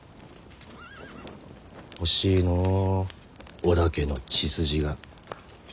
欲しいのう織田家の血筋が。